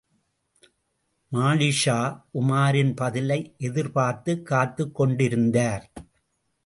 மாலிக்ஷா உமாரின் பதிலை எதிர்பார்த்துக் காத்துக் கொண்டிருந்தார்.